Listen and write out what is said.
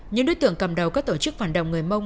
những đối tượng cầm đầu các tổ chức phản động người mông